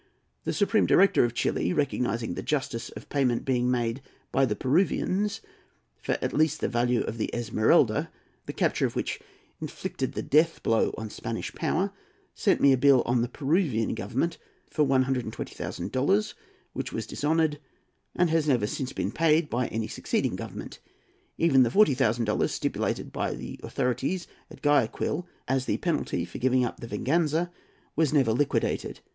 The Supreme Director of Chili, recognizing the justice of payment being made by the Peruvians for at least the value of the Esmeralda, the capture of which inflicted the death blow on Spanish power, sent me a bill on the Peruvian Government for 120,000 dollars, which was dishonoured, and has never since been paid by any succeeding Government. Even the 40,000 dollars stipulated by the authorities at Guayaquil as the penalty for giving up the Venganza was never liquidated.